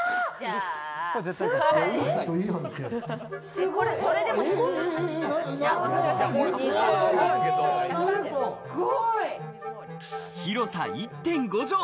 すごい！広さ１．５帖。